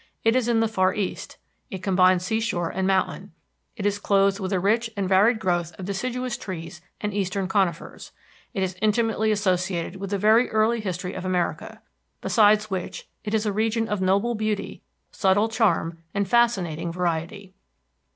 It is in the far east; it combines seashore and mountain; it is clothed with a rich and varied growth of deciduous trees and eastern conifers; it is intimately associated with the very early history of America. Besides which, it is a region of noble beauty, subtle charm and fascinating variety.